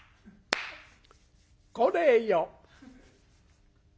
「これよ」。